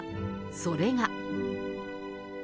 それが。